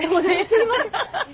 すいません。